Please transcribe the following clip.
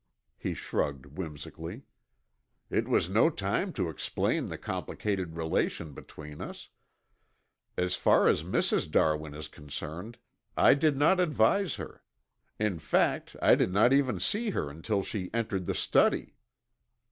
he shrugged whimsically. "It was no time to explain the complicated relation between us. As far as Mrs. Darwin is concerned, I did not advise her. In fact, I did not even see her until she entered the study."